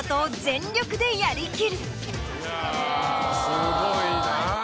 すごいな。